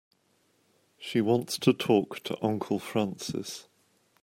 She wants to talk to Uncle Francis.